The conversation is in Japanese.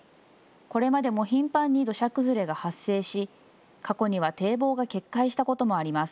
これまでも頻繁に土砂崩れが発生し、過去には堤防が決壊したこともあります。